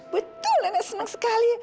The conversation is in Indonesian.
betul nenek senang sekali